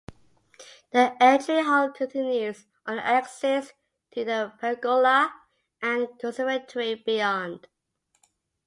The entry hall continues on axis to the pergola and conservatory beyond.